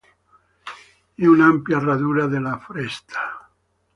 In un'ampia radura della foresta.